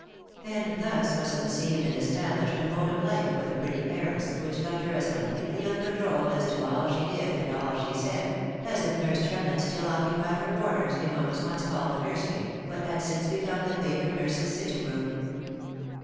And thus was conceived and established a mode of life for the pretty heiress, which left her as completely uncontrolled as to all she did, and all she said, as if nurse Tremlett still occupied her quarters in what was once called the nursery, but had since become the favoured nurse's sitting room.